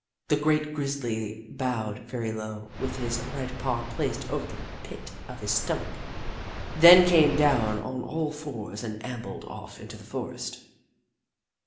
The great grizzly bowed very low, with his right paw placed over the pit of his stomach, then came down on all fours and ambled off into the forest.